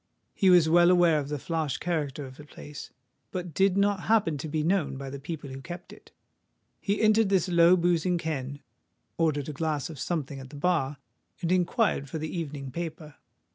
He was well aware of the flash character of the place, but did not happen to be known by the people who kept it. He entered this low boozing ken, ordered a glass of something at the bar, and inquired for the evening paper.